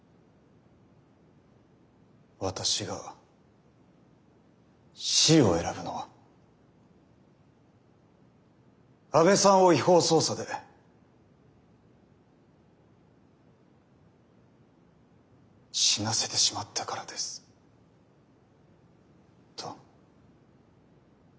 「私が死を選ぶのは阿部さんを違法捜査で死なせてしまったからです」と。